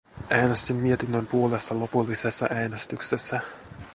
Äänestin mietinnön puolesta lopullisessa äänestyksessä.